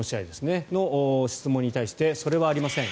それに対してそれはありません。